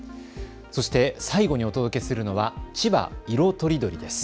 最後にお届けするのは千葉いろとりどりです。